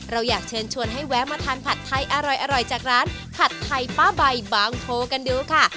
เราอยากเชิญชวนให้แวะมาทานผัดไทยอร่อยจากร้านผัดไทยป้าใบบางโพกันดูค่ะ